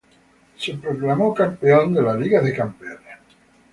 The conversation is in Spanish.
Se proclamó co-campeón de la Big South Conference.